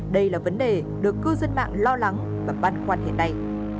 đây là vấn đề được cư dân mạng lo lắng và băn khoăn hiện nay